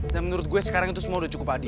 dan menurut gue sekarang itu semua udah cukup adil